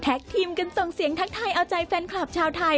ทีมกันส่งเสียงทักทายเอาใจแฟนคลับชาวไทย